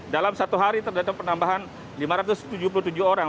dalam satu hari terdapat penambahan lima ratus tujuh puluh tujuh orang